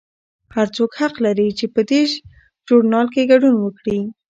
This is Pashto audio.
هر څوک حق لري چې په دې ژورنال کې ګډون وکړي.